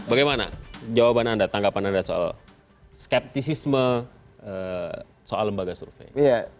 bagaimana jawaban anda tanggapan anda soal skeptisisme soal lembaga survei